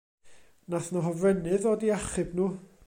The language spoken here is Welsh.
Nath 'na hofrennydd ddod i achub nhw.